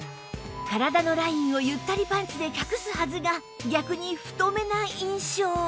体のラインをゆったりパンツで隠すはずが逆に太めな印象